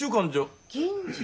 銀次？